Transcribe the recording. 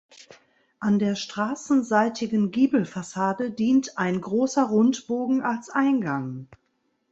An der straßenseitigen Giebelfassade dient ein großer Rundbogen als Eingang.